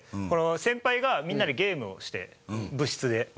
この先輩がみんなでゲームをして部室で。